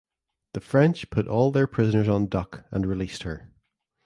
The French put all their prisoners on "Duck" and released her.